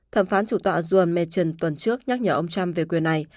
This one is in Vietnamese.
thẩm phán chủ tọa juan mechon tuần trước nhắc nhở ông trump về quyền này